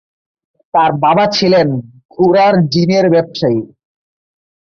তার বাবা ছিলেন ঘোড়ার জিনের ব্যবসায়ী।